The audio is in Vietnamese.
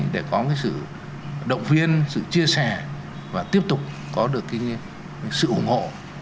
để có cái sự động viên sự chia sẻ và tiếp tục có được cái sự ủng hộ